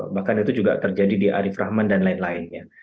bahkan itu juga terjadi di arief rahman dan lain lainnya